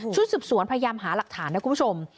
ชุดสืบสวนพยายามหาหลักฐานนะคุณผู้ชม